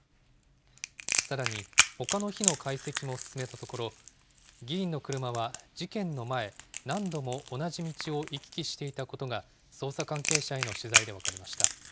さらにほかの日の解析も進めたところ、議員の車は事件の前、何度も同じ道を行き来していたことが、捜査関係者への取材で分かりました。